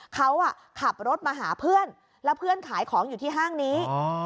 เขาขับรถมาหาเพื่อนแล้วเพื่อนขายของอยู่ที่ห้างนี้